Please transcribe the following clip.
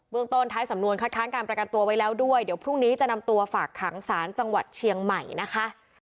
เมืองต้นท้ายสำนวนคัดค้านการประกันตัวไว้แล้วด้วยเดี๋ยวพรุ่งนี้จะนำตัวฝากขังศาลจังหวัดเชียงใหม่นะคะ